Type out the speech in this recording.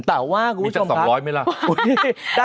แต่ว่าคุณผู้ชมครับมีจาก๒๐๐บาทไหมล่ะ